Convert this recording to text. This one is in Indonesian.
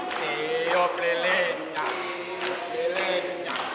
tiup lilinnya tiup lilinnya